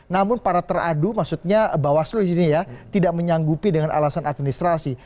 namun para teradu maksudnya bawah seluruh sini ya tidak menyanggupi dengan alasan administrasi